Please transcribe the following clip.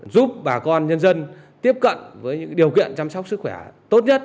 giúp bà con nhân dân tiếp cận với những điều kiện chăm sóc sức khỏe tốt nhất